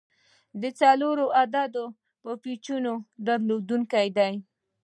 د څلور عدده پیچونو درلودونکی دی.